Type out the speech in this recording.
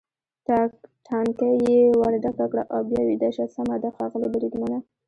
ټانکۍ یې ور ډکه کړه او بیا ویده شه، سمه ده ښاغلی بریدمنه.